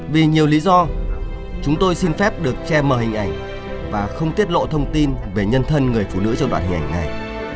vì nhiều lý do chúng tôi xin phép được che mở hình ảnh và không tiết lộ thông tin về nhân thân người phụ nữ trong đoạn hình ảnh này